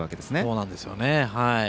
そうなんですよね。